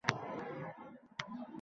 Tushi haqida hech kimga og‘iz ochmadi…